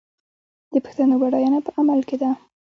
د پښتو بډاینه په عمل کې ده.